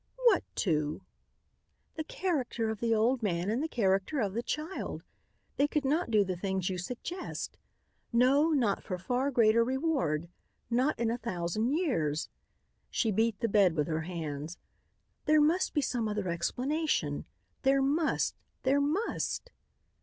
"What two?" "The character of the old man and the character of the child. They could not do the thing you suggest. No, not for far greater reward. Not in a thousand years." She beat the bed with her hands. "There must be some other explanation. There must. There must!"